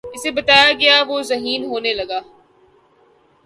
اُسے بتایا گیا وُہ ذہین ہونے لگا